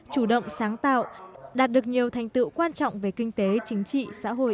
chủ động sáng tạo đạt được nhiều thành tựu quan trọng về kinh tế chính trị xã hội